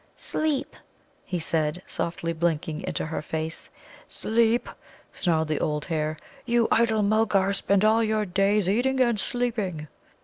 "Sleep," he said, softly blinking into her face. "Sleep!" snarled the old hare. "You idle Mulgars spend all your days eating and sleeping!"